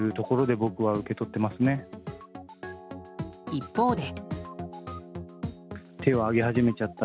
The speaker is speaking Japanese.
一方で。